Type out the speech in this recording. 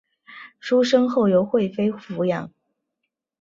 出生后由惠妃抚养。